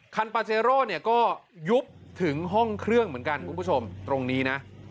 ปาเจโร่เนี่ยก็ยุบถึงห้องเครื่องเหมือนกันคุณผู้ชมตรงนี้นะ